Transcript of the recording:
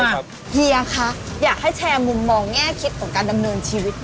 เฮียคะอยากให้แชร์มุมมองแง่คิดของการดำเนินชีวิต